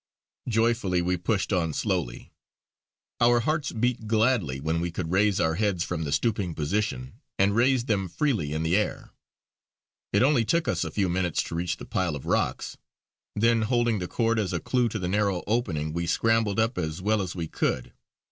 Joyfully we pushed on slowly; our hearts beat gladly when we could raise our heads from the stooping position and raise them freely in the air. It only took us a few minutes to reach the pile of rocks; then holding the cord as a clue to the narrow opening we scrambled up as well as we could.